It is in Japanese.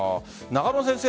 中野先生